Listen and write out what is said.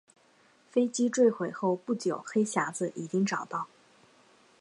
飞机坠毁后不久黑匣子已经找到。